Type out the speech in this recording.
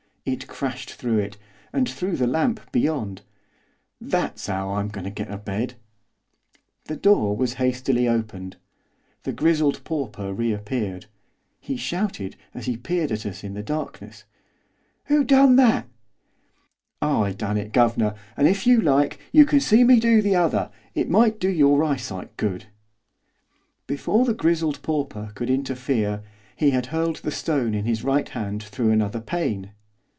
It crashed through it, and through the lamp beyond. 'That's 'ow I'm goin' to get a bed.' The door was hastily opened. The grizzled pauper reappeared. He shouted, as he peered at us in the darkness, 'Who done that?' 'I done it, guvnor, and, if you like, you can see me do the other. It might do your eyesight good.' Before the grizzled pauper could interfere, he had hurled the stone in his right hand through another pane.